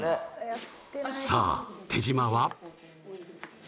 さあ手島は？